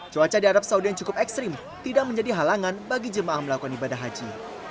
cuaca di arab saudi yang cukup ekstrim tidak menjadi halangan bagi jemaah melakukan ibadah haji